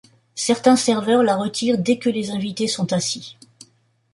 Certains serveurs la retirent dès que les invités sont assis.